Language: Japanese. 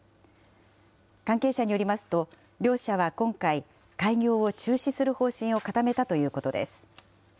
関係者によりますと、両社は今回、開業を中止する方針を固めたということです。